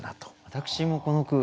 私もこの句